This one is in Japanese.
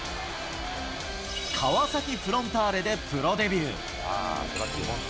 川崎フロンターレでプロデビュー。